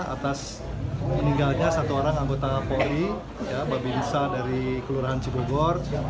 atas meninggalnya satu orang anggota poi babi nusa dari kelurahan cibogor